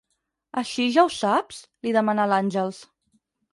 Així, ja ho saps? –li demana l'Àngels.